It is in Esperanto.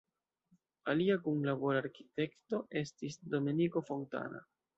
Alia kunlabora arkitekto estis Domenico Fontana.